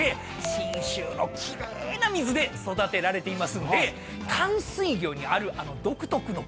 信州の奇麗な水で育てられていますんで淡水魚にあるあの独特の臭み